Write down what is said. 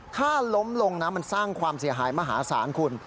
ถ้าล้มลงนะมันสร้างความเสียหายมหาศาลคุณ